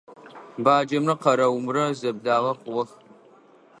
Баджэмрэ къэрэумрэ зэблагъэ хъугъэх.